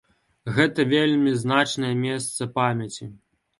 Гэта вельмі значнае месца памяці.